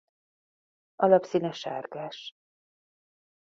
Alapszíne sárgás.